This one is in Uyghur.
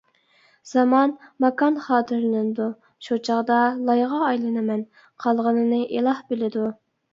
زامان-ماكان خاتىرىلىنىدۇ، شۇ چاغدا لايغا ئايلىنىمەن، قالغىنىنى ئىلاھ بىلىدۇ!